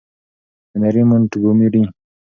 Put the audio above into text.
- هنري مونټګومري :